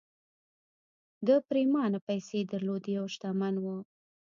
ده پرېمانه پيسې درلودې او شتمن و